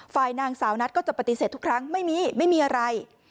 ฝ่ายนางสาวนัทก็จะปฏิเสธทุกครั้งไม่มีไม่มีอะไร